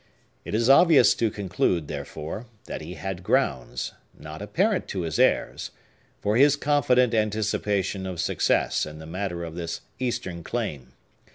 It is obvious to conclude, therefore, that he had grounds, not apparent to his heirs, for his confident anticipation of success in the matter of this Eastern claim.